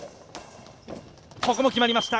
ここも決まりました！